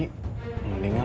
mendingan gue cuci tangan aja